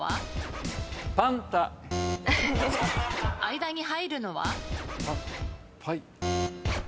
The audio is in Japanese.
間に入るのは？